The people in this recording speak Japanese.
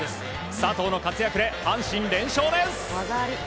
佐藤の活躍で阪神、連勝です。